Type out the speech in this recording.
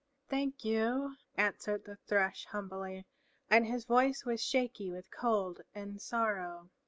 "Thank you," answered the Thrush humbly, and his voice was shaky with cold and sorrow.